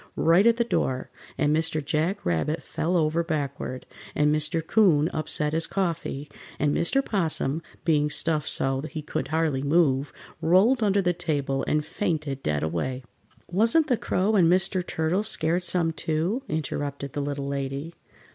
right at the door, and Mr. Jack Rabbit fell over backward, and Mr. 'Coon upset his coffee, and Mr. 'Possum, being stuffed so he could hardly move, rolled under the table and fainted dead away. "Wasn't the Crow and Mr. Turtle scared some, too?" interrupted the Little Lady.